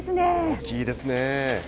大きいですね。